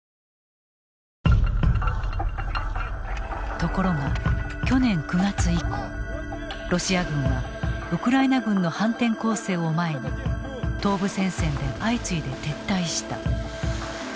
ところが去年９月以降ロシア軍はウクライナ軍の反転攻勢を前に東部戦線で相次いで撤退した。